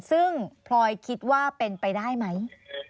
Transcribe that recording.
ซึ่งพลอยคิดว่าเป็นไปได้ไหม